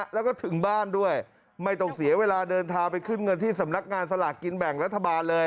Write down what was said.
แล้วก็ถึงบ้านด้วยไม่ต้องเสียเวลาเดินทางไปขึ้นเงินที่สำนักงานสลากกินแบ่งรัฐบาลเลย